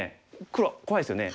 黒怖いですよね。